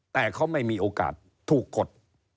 แต่เขาไม่มีโอกาสถูกกด